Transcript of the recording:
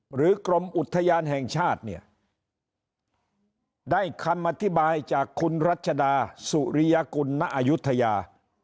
หรือกรมอุทยานแห่งชาติเนี่ยได้คำอธิบายจากคุณรัชดาสุริยกุลณอายุทยา